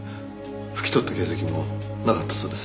拭き取った形跡もなかったそうです。